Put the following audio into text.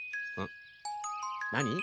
何？